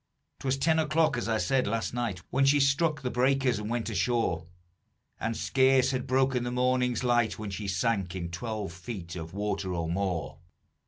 'Twas ten o'clock, as I said, last night, When she struck the breakers and went ashore; And scarce had broken the morning's light When she sank in twelve feet of water or more.